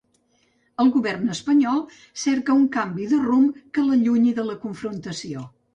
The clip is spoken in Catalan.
El govern espanyol cerca un canvi de rumb que l’allunyi de la confrontació.